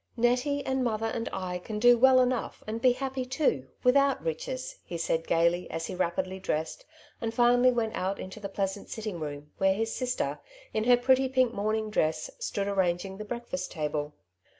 " Nettie, and mother, and I can do well enough, and be happy too, without riches, ^^ he said gaily, as he rapidly dressed, and finally went out into the pleasant sitting room, where his sister, in her pretty pink morning dress, stood arranging the breakfast table.